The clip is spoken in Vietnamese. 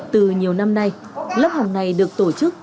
từ nhiều năm nay lớp học này được tổ chức